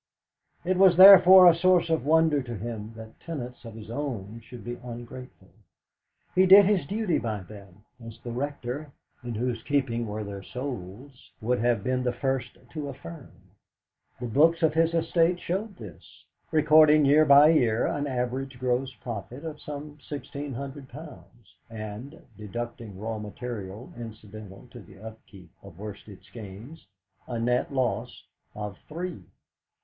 It was, therefore, a source of wonder to him that tenants of his own should be ungrateful. He did his duty by them, as the Rector, in whose keeping were their souls, would have been the first to affirm; the books of his estate showed this, recording year by year an average gross profit of some sixteen hundred pounds, and (deducting raw material incidental to the upkeep of Worsted Skeynes) a net loss of three.